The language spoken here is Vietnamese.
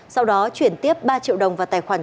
sau đó chuyển tiếp ba triệu đồng vào tài khoản